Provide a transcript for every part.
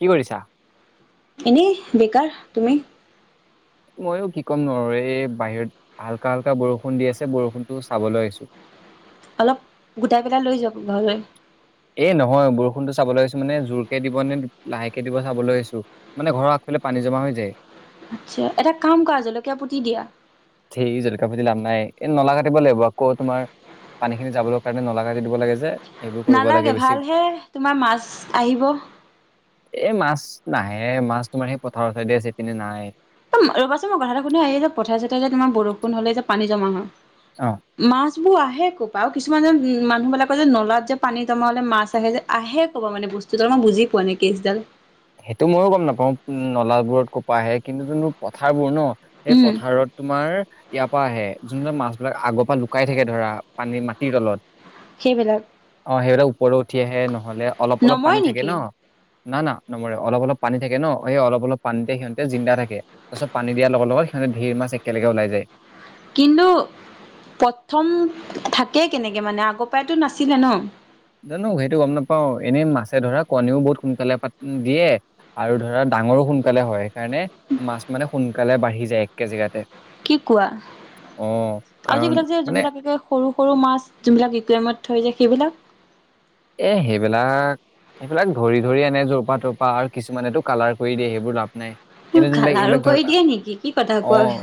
কি কৰিছা? এনেই বেকাৰ, তুমি? ময়ো কি ক'ম নো আৰু এই বাহিৰত হাল্কা হাল্কা বৰষুণ দি আছে বৰষুণতো চাবলৈ আহিছো। অলপ গোটাই পেলাই লৈ যাওক ঘৰলৈ। এই নহয় বৰষুণতো চাবলৈ আহিছো মানে জোৰকে দিব নে লাহেকে দিব চাবলৈ আহিছো। মানে ঘৰৰ আগফালে পানী জমা হৈ যায়। আচ্ছা। এটা কাম কৰা জলকীয়া পুতি দিয়া। ধেই জলকাীয়া পুতি লাভ নাই, এই নলা কাটিব লাগিব আকৌ তোমাৰ পানীখিনি যাবলৈ কাৰণে নলা কাটি দিব লাগে যে। সেইবোৰ কৰিব লাগে নালাগে বেছি। ভালহে তোমাৰ মাছ আহিব। এ মাছ নাহে মাছ তোমাৰ সেই পথাৰৰ চাইডে আছে এইপিনে নাই। [unintelligible] ৰবা চোন মই কথাটো শুধু এই যে পঠাৰে-চঠাৰে যে তোমাৰ বৰষুণ হ'লে যে পানী জমা হয় অ। মাছবোৰ আহে কৰ পৰা? আৰু কিছুমান যে মানুহবিলাকে যে নলাত যে পানী জমা হ'লে মাছ আহে যে আহে কৰপৰা মানে বস্তুটো মই বুজি পোৱা নাই কেছডাল। সেইটো ময়ো গম নাপাওঁ নলাবোৰত কোৰপা আহে। কিন্তু যোনটো পথাৰবোৰ ন সেই উম পথাৰত তোমাৰ ইয়াৰ পৰা আহে যোন যোন মাছ বিলাক আগৰ পৰা লুকাই থাকে ধৰা পানী মাটিৰ তলত সেইবিলাক অ সেইবিলাক ওপৰলে উঠি আহে নহ'লে অলপ অলপ পানী নমৰে থাকে নেকি ন, না না নমৰে। অলপ অলপ পানী থাকে ন সেই অলপ অলপ পানীতে সিহঁতে জিন্দা থাকে। তাৰপাছত পানী দিয়াৰ লগত লগত সিহঁতে ঢেৰ মছ একেলগে ওলাই যায়। কিন্তু প্ৰথম থাকেই কেনেকে মানে আগৰ পৰাইতো নাছিলে ন। জানো সেইটো গ'ম নাপাওঁ। এনেই মাছে ধৰা কণীও বহুত সোনকালে পাত দিয়ে। আৰু ধৰা ডাঙৰো সোনকালে হয়, সেইকাৰণে মাছ মানে সোনকালে বাঢ়ি যায়। একে জেগাতে? কি কোৱা? অ আও কাৰণ যিবিলাক যে মানে যোনবিলাকে সৰু সৰু মাছ যোনবিলাক ইকুৱামত থৈ যে সেইবিলাক এহ সেইবিলাক এই বিলাক ধৰি ধৰি এনে জৰপা তৰপা আৰু কিছুমানেতো কালাৰ কৰি দিয়ে সেইবোৰ লাভ নাই এনে যোনবিলাক কালাৰো এইবিলাক কৰি ধৰা দিয়ে নেকি কি কথা কোৱা অঁ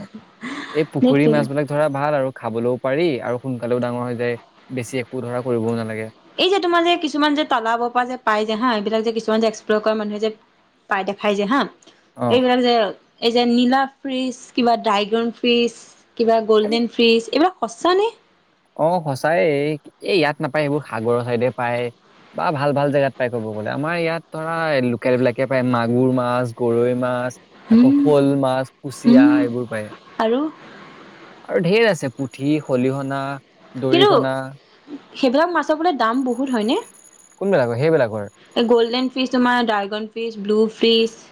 এই পুখুৰী সেইটোৱে মাছবিলাক ধৰা ভাল আৰু খাবলও পাৰি আৰু সোনকালেও ডাঙৰ হৈ যায়। বেছি একো ধৰা কৰিবও নালাগে। এই যে তোমাৰ যে কিছুমান যে তালাবৰ পৰা যে পাই যে হা, এইবিলাক যে কিছুমান যে এক্সপ্লৰ কৰা মানুহে যে পাই দেখাই যে হা। অ এইবিলাক যে এই যে নীলা ফ্ৰিজ, কিবা ড্ৰাইগন ফ্ৰিজ কিবা গল্ডেন ফ্ৰিজ, এইবিলাক সঁচা নে? অঁ, সঁচাই এই ইয়াত নাপায় সেইবোৰ সাগৰৰ চাইডে পায়। বা ভাল ভাল জেগাত পাই ক'ব গ'লে আমাৰ ইয়াত ধৰা লোকেল বিলাকে পায় মাগুৰ মাছ, গৰৈ মাছ। আকৌ হুম শ'ল মাছ, হুম কুচিয়া এইবোৰ পায়। আৰু আৰু ঢেৰ আছে পুঠি, খলিহনা। কিন্তু দৰিকণা সেইবিলাক মাছৰ বোলে দাম বহুত হ'য়নে? কোনবিলাকৰ সেইবিলাকৰ গ'ল্ডেন ফিছ, তোমাৰ ড্ৰাইগন ফিছ, ব্লু ফিছ।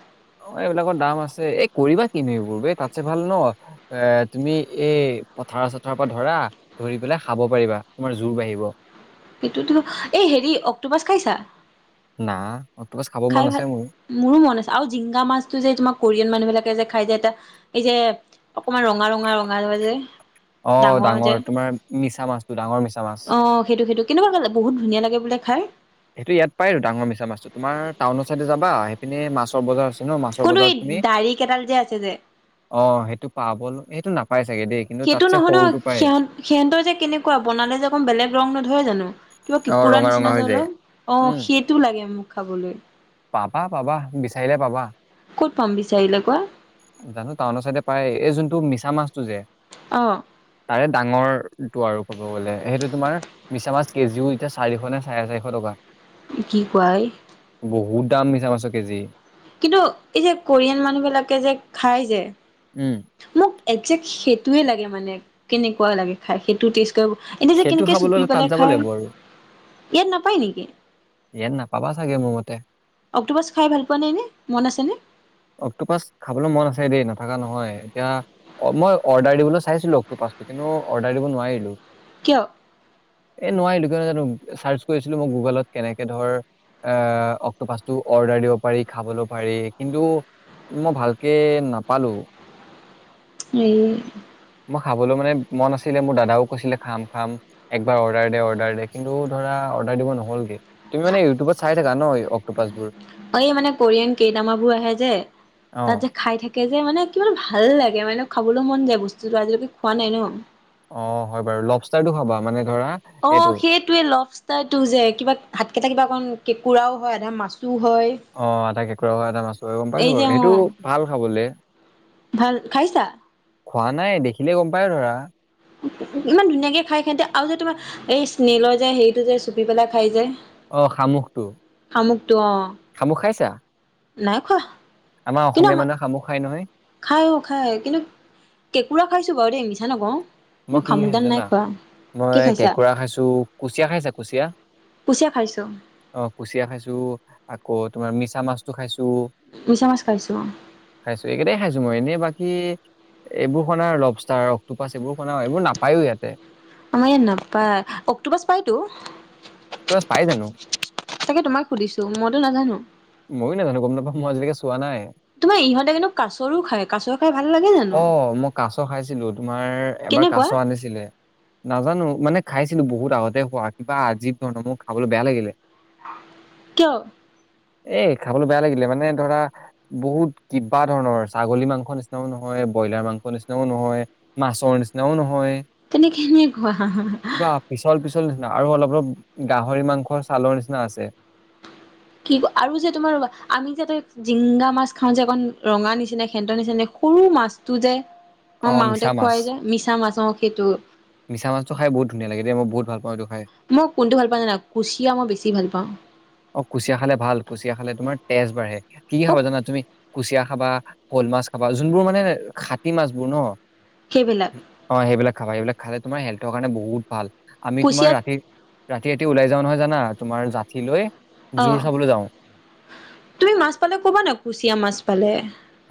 অ এইবিলাকৰ দাম আছে এ কৰিবা কিনো এইবোৰ বে এই তাতছে ভাল ন এ, তুমি এই পথাৰ চথাৰৰ পৰা ধৰা ধৰি পেলাই খাব পাৰিবা, তোমাৰ জোৰ বাঢ়িব। সেইটোতো, এ হেৰি অক্টোপাছ খাইছা? না' অক্টোপাছ খাব মন খাই আছে ভাল মোৰ। মোৰো মন আছে আও জিংগা মাছটো যে তোমাৰ কোৰিয়ান মানুহ বিলাকে যে খাই যায় যে এটা এই যে অকমান ৰঙা ৰঙা ৰঙা ৰঙা যে অঁ ডাঙৰ তোমাৰ মিছা মাছটো, ডাঙৰ মিছা মাছ অঁ সেইটো সেইটো। কেনেকুৱা কালে বহু ধনীয়া লাগে বোলে খাই? সেইটো ইয়াত পায় আৰু ডাঙৰ মিছা মাছটো, তোমাৰ টাউনৰ চাইডে যাবা সেইপিনে মছৰ বজাৰ এনেও মাছৰ কোনটো এই বজাৰত তুমি দাৰি কেইডাল যে আছে যে অঁ সেইটো পাবলো সেইটো নাপাই চাগে দেই। কিন্তু সেইটো তাতছে নহয় ন সৰুটো পায়। সিহঁত সিহঁতৰ যে কেনেকুৱা বনালে যে অকণ বেলেগ ৰং নধৰে জানো? কিবা অ কেকোৰা ৰঙা ৰঙা নিচিনা হৈ যে যায় অলপ, অঁ উম সেইটো লাগে মোক খাবলৈ। পাবা পাবা বিচাৰিলে পাবা। ক'ত পাম বিচাৰিলে কোৱা? জানো টাউনৰ চাইডে পায়, এই যোনটো মিছা মাছটো যে অঁ। তাৰে ডাঙৰটো আৰু ক'ব গ'লে সেইটো তোমাৰ মিছামাছ কেজিও এতিয়া চাৰিশ নে চাৰে চাৰিশ টকা। কি কোৱা এই? বহুত দাম মিছা মাছৰ কেজি। কিন্তু এই যে কোৰিয়ান মানুহ বিলাকে যে খাই যে উম। মোক একজেক্ট সেইটোৱে লাগে মানে কেনেকুৱা লাগে খাই সেইটো টেষ্ট এনে যে সেইটো কেনেকে খাবলৈ চুপি হলে তাত পেলাই যাব খাই লাগিব আৰু ইয়াত নাপায় নেকি ইয়াক নেপাবা চাগে মোৰ মতে অক্টোপাছ খাই ভাল পোৱা নে এনে মন আছেনে অক্টোপাছ খাবলে মন আছে দেই নথকা নহয় এতিয়া অ মই অৰ্ডাৰ দিবলৈ চাইছিলো অক্টোপাছটো কিন্তু অৰ্ডাৰ দিব নোৱাৰিলো কিয় এ নোৱাৰিলো কিয় নো জানো চাৰ্চ কৰিছিলো মই গুগলত কেনেকে ধৰ এ অক্টোপাছটো অৰ্ডাৰ দিব পাৰি খাবলও পাৰি কিন্তু মই ভালকে নাপালো এই মই খাবলৈ মানে মন আছিলে মোৰ দাদাও কৈছিলে খাম খাম একবাৰ অৰ্ডাৰ দে অৰ্ডাৰ দে কিন্তু ধৰা অৰ্ডাৰ দিব নহলগে তুমি মানে ইউটউবত চাই থাকা ন অক্টোপাছবোৰ এই মানে কৰিয়ান কে দামাবোৰ আহে যে অ তাত যে খাই থাক কে যে মানে কিমান ভাল লাগে মানে খাবলৈ মন যায় বস্তুটো আজিলৈকে খোৱা নাই ন অ হয় বাৰু লভষ্টাৰটো খাবা মানে ধৰা অ সেই এইটো লভ্ষ্টাটো যে কিবা হাতকেইটা কিবা অকণ কেঁকুৰাও হয় আধা মাছো হয় অ আধা কেঁকুৰা হয় আধা মাছো গম পাইছো এই যে বাৰু অ সেইটো ভাল খাবলে ভাল খাইছা খোৱা নাই দেখিলে গম পায় ধৰা ইমান ধুনীয়াকে খাই হেতে আৰু যে তোমাৰ এই স্নেলৰ যে হেৰিটো যে চুপি পেলাই খাই যে অ শামুকটো শামুকটো অ শামুক খাইছা নাই খোৱা আমাৰ অসমীয়া মানুহে শামুক খাই নহয় খাই অ খাই কিন্তু কেঁকুৰা খাইছো বাৰু দেই মিছা নকওঁ কিন্তু মই কি কি খাইছো শামুকদাল নাই জানা খোৱা কি মই খাইছা কেঁকোৰা খাইছো কুচিয়া খাইছা কুচিয়া কুচিয়া খাইছোঁ অ কুচিয়া খাইছো আকৌ তোমাৰ মিছা মাছটো খাইছো মিছা মাছ খাইছো অ খাইছো এইকেইটাই খাইছো মই এনে বাকী এইবোৰ শনা লবষ্টাৰ অক্টোপাছ এইবোৰ শনাও এইবোৰ নাপায়ো ইয়াতে আমাৰ ইয়াত নাপায় অক্টোপাছ পায়তো পাই জানো তাকে তোমাক সুধিছো মইতো নাজানো ময়ো নাজানো গম নাপামওঁ মই আজিলৈকে চোৱা নাই তোমাৰ ইহঁতে কিন্তু কাছৰো খায় কাছ খাই ভাল লাগে জানো অ মই কাচ খাইছিলো তোমাৰ এবাৰ কাছ কেনেকুৱা আনিছিলে নাজানো মানে খাইছিলো বহুত আগতে খোৱা কিবা আজিব ধৰণৰ মোৰ খাবলে বেয়া লাগিলে কিয় এ খাবলৈ বেয়া লাগিলে মানে ধৰা বহুত কিবা ধৰণৰ ছাগলী মাংস নি নহয় ব্ৰইলাৰ মাংস নিচিনাও নহয় মাছৰ নিচিনাও নহয় তেন্তে কেনেকুৱা কিবা পিছল, পিছল নিচিনা আৰু অলপ, অলপ গাহৰি মাংস ছালৰ নিচিনা আছে। কি আৰু যে তোমাৰ ৰবা, আমি যে তা জিংদা মাছ খাওঁ যে, অকণ ৰঙা নিচিনা, সেন্তৰ নিচিনা সৰু মাছটো যে মা, অ মাহতে মিছা খোৱাই মাছ যায়, মিছা মাছ সেইটো। মিছা মাছটো খাই বহুত ধনীয়া লাগে, মই বহু ভাল পাওঁ এইটো খাই। মই কোনটো ভাল পাওঁ জানা, কুচিয়া মই বেছি ভাল পাওঁ। অ, কুচিয়া খালে ভাল, কুচিয়া খালে তোমাৰ তেজ বাঢ়ে, কি কি মোক খাব জানা তুমি। কুচিয়া খাবা, শৌল মাছ খাবা, যোনবোৰ মানে খাটি মাছবোৰ ন। সেইবিলাক। অ, সেইবিলাক খাবা, সেইবিলাক খালে তোমাৰ হেল্থৰ কাৰণে বহুত ভাল, আমি তোমাৰ কুচিয়াত ৰাতি ৰাতি, ৰাতি ওলাই যাওঁ নহয় জানা, তোমাৰ জাঠি লৈ। অ, জোৰ চাবলৈ যাওঁ তুমি মাছ পালে ক'বানে, কুচিয়া মাছ পালে।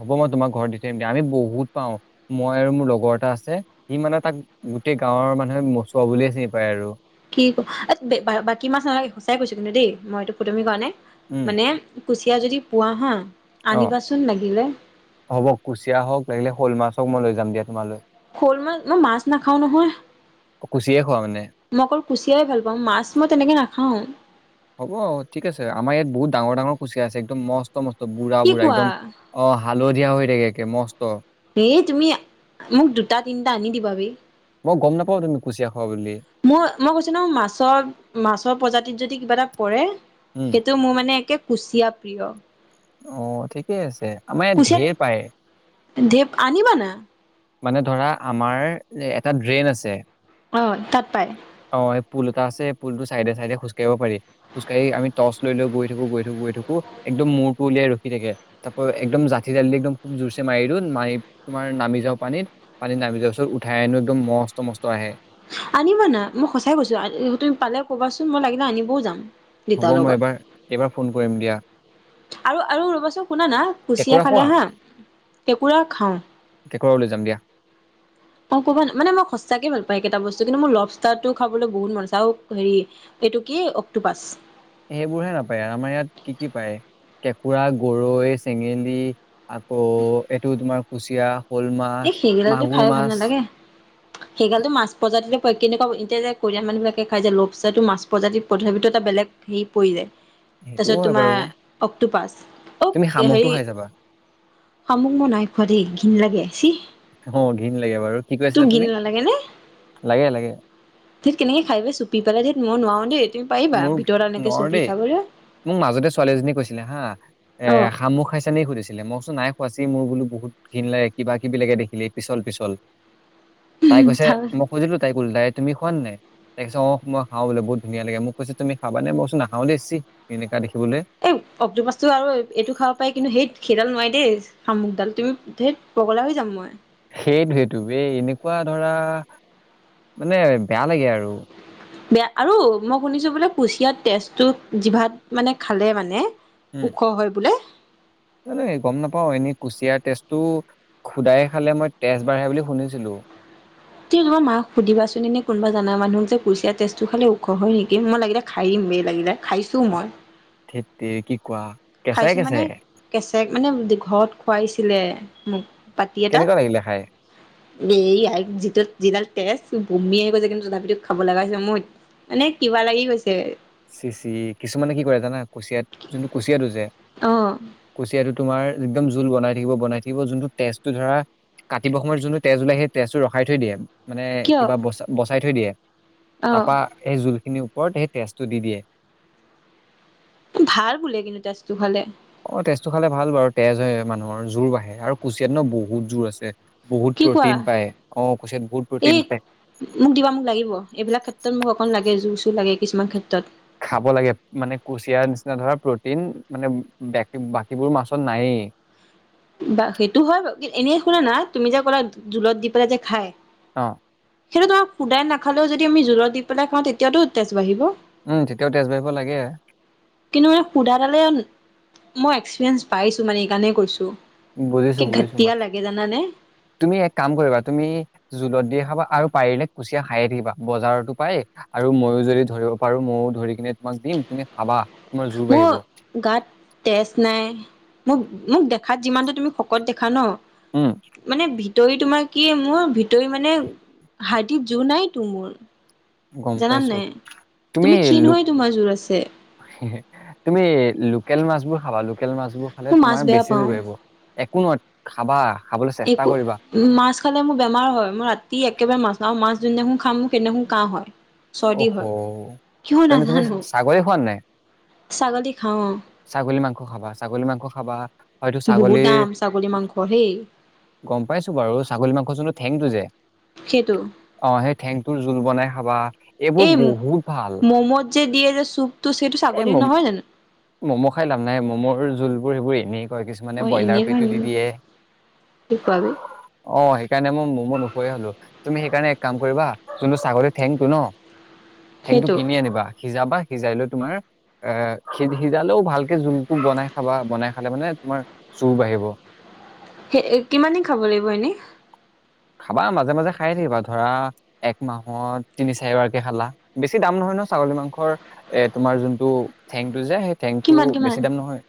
হ'ব, মই তোমাক ঘৰত দি থৈ আহিম দিয়া, আমি বহুত পাওঁ। মই আৰু মোৰ লগৰ এটা আছে, সি মানে তাক গোটেই গাঁৱৰ মানুহে মচোৱা বুলিয়ে চিনি পায় আৰু। কি ক, বাকী মাছ নালাগে, সঁচাই কৈছো কিন্তু দেই, মই এইটো ফুটোৱামি কৰা নাই, উম মানে কুচিয়া যদি পোৱা হা, অ আনিবাচোন লাগিলে। হ'ব কুচিয়া হ'ওক, লাগিলে শৌল মাছ হ'ওক, মই লৈ যাম দিয়া তোমালৈ। শৌল মাছ, মই মাছ নাখাওঁ নহয়। কুচিয়ে খোৱা মানে মই অকল কুচিয়াই ভাল পাওঁ, মাছ মই তেনেকৈ নাখাওঁ। হ'ব, ঠিক আছে, আমাৰ ইয়াত বহুত ডাঙৰ, ডাঙৰ কুচিয়া আছে, একদম মস্ত, মস্ত বুঢ়া, কি বুঢ়া কোৱা একদম অ, হালধীয়া হৈ থাকে, একে মস্ত এই তুমি মোক দুটা, তিনিটা আনি দিবা, বেই মই গম নাপাওঁ, তুমি কুচিয়া খোৱা বুলি। মই, মই কৈছো ন, মাছৰ মাছৰ প্ৰজাতিত যদি কিবা এটা পৰে। উম, সেইটো মোৰ মানে একে, কুচিয়া প্ৰিয়। অ, ঠিকেই আছে, আমাৰ ইয়াত ঢেৰ পায়। ঢে, আনিবা না। মানে ধৰা, আমাৰ এটা ড্ৰেইন আছে। অ, তাত পায়। অ, সেই পুল এটা আছে, পুলটো চাইডে, চাইডে, খোজকাঢ়িব পাৰি। খোজকাঢ়ি আমি টৰ্চ লৈ, লৈ গৈ থাকোঁ, গৈ থাকোঁ, গৈ থাকোঁ, একদম মূৰটো উলিয়াই ৰখি থাকে। তাৰ একদম জাঠি জালি একদম খুব জোৰ চে, মাৰি দিও মাৰি তোমাৰ নামি যাওঁ। পানীত, পানীত নামি যোৱাৰ পিছত উঠাই আনোঁ, একদম মস্ত, মস্ত আহে। আনিবা না, মই সঁচাই কৈছোঁ, তুমি পালে ক'বাচোন, মই লাগিলে আনিবও যাম। হ'ব, দেতাৰ মই লগত এইবাৰ, এইবাৰ ফোন কৰিম দিয়া। আৰু, আৰু ৰ'বাচোন, শুনা না, কুচিয়া কেঁকুৰা খোৱা খালে হা, কেকোঁৰা খাওঁ। কেকোঁৰাও লৈ যাম দিয়া। অ, কব ন, মানে মই সচাঁকে ভাল পায়, একেইটা বস্তু কিন্তু মোৰ লভষ্টাৰটো খাবলৈ বহুত মন আছে আৰু হেৰি এইটো কি অক্টোপাছ। এইবোৰহে ভাল পায়, আমাৰ ইয়াত কি কি পায়? কেকোঁৰা, গৰৈ, চেঙেলী, আকৌ এইটো তোমাৰ কুচিয়া। শ'ল মাছ এই, সেইগিলাটো মাগুৰ খাই ভাল মাছ নালাগে। সেইগালটো মাছ প্ৰজাতি পৰে, কেনেকুৱা এতিয়া যে কৰিয়ান মানুহবিলাকে খাই [inaudible] মাছ প্ৰজাতি তথাপিটো এটা বেলেগ। [inaudible] তাছত সেইটোও হয় তোমাৰ বাৰু অক্টোপাছ, তুমি অ'ক শামুকটো হেৰি খাই যাবা শামুক মই নাই খোৱা দেই, ঘিণ লাগে ছিহ। অ' ঘিণ লাগে বাৰু। কি কৈ আছিলা তুমি? নে লাগে, লাগে। ধেত কেনেকে খাই ৰে চুপি পেলাই, ধেত মই নোৱাৰো দেই। কিবা মোৰ ভিতৰত এনেকে নোৱাৰো চুপি দেই খাবলে। মোক মাজতে ছোৱালীজনী এজনী কৈছিলে হা, এ, অ শামুক খাইছানি সুধিছিলে ম নাই খোৱা, চি মোৰ বোলো বহুত ঘিন লাগে, কিবািবি লাগে দেখিলেই পিছল, পিছল। তাই কৈছে, মই সুধিলোঁ তাইক ওলোটাই তুমি খোৱানে নাই? তাই কৈছে অ' মই খাওঁ বোলে বহুত ধুনীয়া লাগে মোক। কৈছে তুমি খাবানে, মই কৈছোঁ ছিহ কেনেকা দেখিবলে। এই অক্টোপাছটো আৰু এইটো খাব পাৰি কিন্তু হেইত সেইডাল খাব নোৱাৰি দেই। শামুকডাল। তুমি ধেত, পগলা হৈ যাম মই। সেইটোৱেইতো ৰে, এই এনেকুৱা ধৰা মানে বেয়া লাগে আৰু। বেয়া আৰু মই শুনিছোঁ বোলে কুচিয়াত তেজটো জিভাত মানে খালে মানে উম। ওখ হয় বোলে। মানে গম নাপাওঁ, এনেই কুচিয়াৰ তেজটো সুদায়ে খালে মই তেজ বাঢ়ে বুলি শুনিছিলোঁ। [unintelligible] মাৰক সুধিবাচোন এনে কোনোবা জান মানুহ যে কুচিয়া তেজটো খালে ওখ হয় নেকি, মই লাগিলে খাই মে লাগিলে, খাইছোঁ মই। ধেত তেৰি, কি কোৱা। কেঁচাই খাইছোঁ মানে কেঁচাই কেঁচেক মানে ঘৰত খুৱাইছিলে মোক। পাতি কেনেকুৱা এটাত। লাগিলে খাই? এই যিটো যিডাল তেজ বমি আহি গৈছে কিন্তু তথাপিতো খাব লগা হৈছে মই মানে কিবা লাগি গৈছে। চি চি, কিছুমানে কি কৰে জানা কুচিয়াত যোনটো কুচিয়াটো যে অ কুচিয়াতোট তোমাৰ একদম জোল বনাই থাকিব, বনাই থাকিব যোনটো তেজটো ধৰা কাটিব সময়ত যোনটো তেজ ওলাই সেই তেজটো ৰখাই থৈ দিয়ে। মানে কিয় কিবা বচ-বচাই থৈ দিয়ে, অ তাৰপা সেই জোলখিনিৰ ওপৰত সেই তেজটো দি দিয়ে। ভাল বোলে কিন্তু তেজটো খালে। অ' তেজটো খালে ভাল বাৰু তেজ হয় মানুহৰ, জোৰ বাঢ়ে আৰু কুচিয়াত ন' বহুত জুৰ আছে। বহুত কি কোৱা প্ৰ'টিন পায়, অ' কুচিয়াত বহুত এই প্ৰ'টিন পায়। মোক দিবা, মোক লাগিব। এইবিলাক ক্ষেত্ৰত মোক অকণ লাগে, জোৰ চোৰ লাগে কিছুমান ক্ষেত্ৰত। খাব লাগে মানে কুচিয়াৰ নিচিনা ধৰা প্ৰটিন মানে বে বাকীবোৰ মাছত নায়েই। বা সেইটো হয় বাৰু, এনে শুনা না তুমি যে ক'লা জোলত দি পেলাই যে খাই অ'। সেইটো তোমাক শোদায় নাখালেও যদি আমি জোলত দি পেলাই খাওঁ তেতিয়াটো তেজ বাঢ়িব। উম, তেতিয়াও তেজ বাঢ়িব লাগে। কিন্তু মানে সুধা খালে মই এক্সপিৰিয়েঞ্চ পাইছোঁ মানে এইকাৰণে কৈছোঁ। বুজিছোঁ বুজিছোঁ মই। তুমি এক কাম কৰিবা তুমি জোলত দিয়ে খাবা আৰু পাৰিলে কুচিয়া খায়ে থাকিবা, বজাৰতো পাই আৰু ময়ো যদি ধৰিব পাৰোঁ মইও ধৰি কিনে তোমাক দিম তুমি খাবা। তোমাৰ জোৰ বাঢ়িব ম গাত তেজ নাই, মোক মোক দেখাত যিমানটো তুমি শকত দেখা ন' উম। মানে ভিতৰি তোমাৰ কি মোৰ ভিতৰি মানে হাৰটিত জোৰ নাই তো মোৰ। গম জানানে পাইছো নাই? তুমি ক্ষীণ হৈ তোমাৰ জোৰ আছে। তুমি লোকেল মাছবোৰ খাবা লোকেল মাছবোৰ খালে মই মাছ তোমাৰ বেয়া বেছি জোৰ পাওঁ বাঢ়িব একো নহয় খাবা। খাবলৈ চেষ্টা একো কৰিবা মাছ খালে মোৰ বেমাৰ হয় মই ৰাতি একেবাৰে মাছ নাখাওঁ মাছ যোন দিনাখন খাম মোৰ সেইদিনাখন কাঁহ হয়। চৰ্দি অহ হয় কিয় তেন্তে তুমি নাজানো ছাগলী খোৱা নাই? ছাগলী খাওঁ ছাগলী মাংস খাবা ছাগলী মাংস খাবা হয়তো ছাগলীৰ পঢ়ি গম পাইছো বাৰু ছাগলী মাংস যোনটো ঠেংটো যে সেইটো অ সেই ঠেংটোৰ জোল বনাই খাবা এইবোৰ এই বহুত ভাল ম'মত যে দিয়ে যে চুপটো সেইটো এ ছাগলীৰ মম নহয় জানো? ম'ম খাই লাভ নাই ম'মৰ জোলবোৰ সেইবোৰ এনেই কিছুমানে অ ব্ৰইলাৰ এনেই হয় পেটো দি নেকি দিয়ে কি কোৱা বে অ সেইকাৰণে মই ম'ম নুখুৱায় হ'লো তুমি সেইকাৰণে এক কাম কৰিবা যোনটো ছাগলী ঠেংটো ন ঠেংটো সেইটো কিনি আনিবা সিজাবা সিজাই লৈ তোমাৰ সি সিজালেও ভালকে জোলটো বনাই খাবা বনাই খালে মানে তোমাৰ জুৰ বাঢ়িব্ সেই কিমান দিন খাব লাগিব এনেই খাবা মাজে মাজে খাইয়ে থাকিবা ধৰা এক মাহত তিনি চাৰিবাৰকে খালা বেছি দাম নহয় ন ছাগলী মাংসৰ এ তোমাৰ যোনটো ঠেংটো যে সেই ঠেংটো কিমান কিমান বেছি দাম নহয়।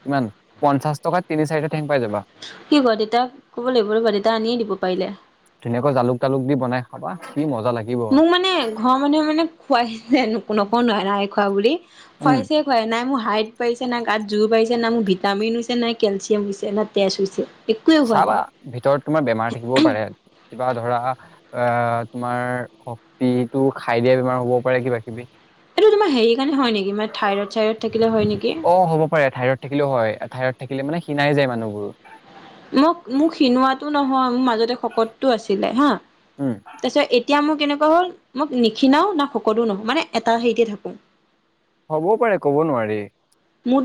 কিমান পঞ্চাশ টকাত তিনি চাৰিটা ঠেং পাই যাবা কি কোৱা দেতাক ক'ব লাগিব ৰবা দেতাই আনিয়ে দিব পাৰিলে। ধুনীয়াকৈ জালুক তালুক দি বনাই খাবা কি মজা লাগিব। মোক মানে ঘৰৰ মানুহে মানে খুৱাইছে নকওঁ নাই খোৱা বুলি উম খুৱাইছে নাই মোৰ হাইট বাঢ়িছে নাই গাত জোৰ বাঢ়িছে না মোৰ ভিটামিন হৈছে না কেলচিয়াম হৈছে না তেজ হৈছে। একোৱে হোৱা চাবা নাই ভিতৰত তোমাৰ বেমাৰ থাকিবও পাৰে কিবা ধৰা তোমাৰ শক্তিটো খাই দিয়া বেমাৰ হ'ব পাৰে কিবা কিবি। এইটো তোমাৰ হেৰি কাৰণে হয় নিকি মানে থাইৰড চাইৰড থাকিলে হয় নিকি? অ হ'ব পাৰে থাইৰয়ড থাকিলেও হয় থাইৰয়ড থাকিলে মানে খিনাই যায় মানুহবোৰ। মোক মোৰ খিনোৱাটো নহয় মোৰ মাজতে শকতটো আছিলে হা। উম তাৰ পিছত এতিয়া মোৰ কেনেকুৱা হ'ল মোক নিখিনাও না শকতো নহওঁ মানে এটা হেৰিতে থাকো। হ'বও পাৰে ক'ব নোৱাৰি। মোৰ